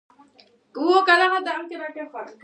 د جان ایف کینیډي مجسمه او نور شیان یې راویستل